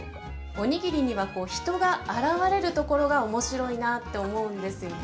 おにぎりには人が表れるところが面白いなって思うんですよね。